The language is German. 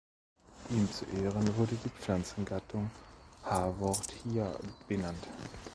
Ihm zu Ehren wurde die Pflanzengattung "Haworthia" benannt.